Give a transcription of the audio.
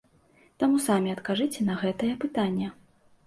Таму самі адкажыце на гэтае пытанне.